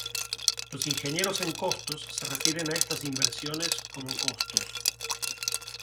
Los ingenieros en costos se refieren a estas inversiones como "costos".